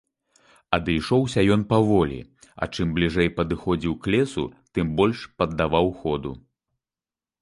Адышоўся ён паволі, а чым бліжэй падыходзіў к лесу, тым больш паддаваў ходу.